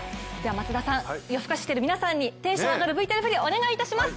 松田さん、夜更かししている皆さんにテンションの上がるＶＴＲふり、お願いいたします。